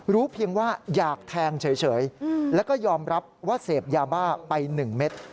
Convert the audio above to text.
เพียงว่าอยากแทงเฉยแล้วก็ยอมรับว่าเสพยาบ้าไป๑เม็ด